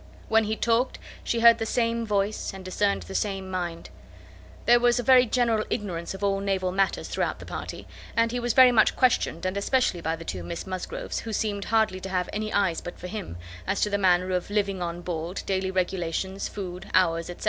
When he talked, she heard the same voice, and discerned the same mind. There was a very general ignorance of all naval matters throughout the party; and he was very much questioned, and especially by the two Miss Musgroves, who seemed hardly to have any eyes but for him, as to the manner of living on board, daily regulations, food, hours, &c.